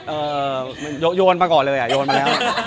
โยนมาก่อนเลยอ่ะโยนมาแล้ว